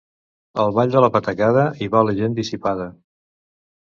Al ball de la patacada hi va la gent dissipada.